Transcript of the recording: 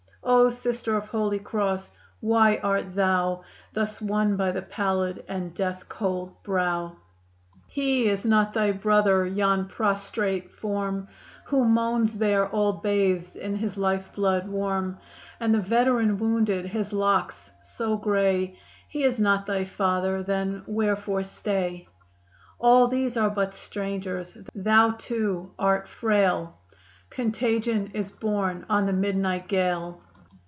O Sister of Holy Cross, why art thou Thus won by the pallid and death cold brow? III. He is not thy brother, yon prostrate form, Who moans there all bathed in his life blood warm; And the veteran wounded his locks so gray He is not thy father; then, wherefore stay? All these are but strangers. Thou, too, art frail; Contagion is borne on the midnight gale.